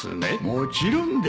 もちろんです